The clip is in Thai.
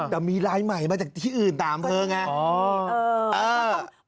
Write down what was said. แต่มีลายใหม่มาจากที่อื่นตามอำเภอไง